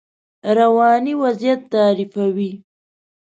رواني وضعیت تعریفوي.